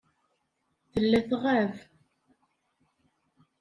Tella tɣab.